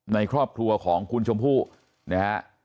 ในครอบครัวของคุณชมพู่นะฮะ